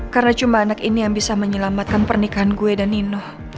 karena cuma anak ini yang bisa menyelamatkan pernikahan gue dan nino